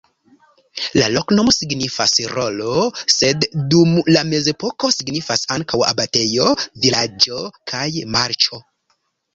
La loknomo signifas: rolo, sed dum la mezepoko signifis ankaŭ abatejo, vilaĝo kaj marĉo.